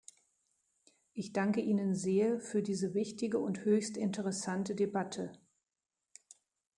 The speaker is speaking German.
Ich danke Ihnen sehr für diese wichtige und höchst interessante Debatte.